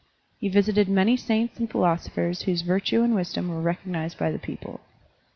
He visited many saints and philosophers whose virtue and wisdom were recognized by the people.